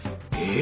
え